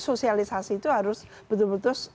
sosialisasi itu harus betul betul